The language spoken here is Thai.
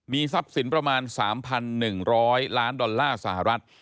ทรัพย์สินประมาณ๓๑๐๐ล้านดอลลาร์สหรัฐ